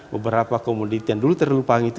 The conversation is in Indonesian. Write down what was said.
beberapa komunitas yang dulu terlupa itu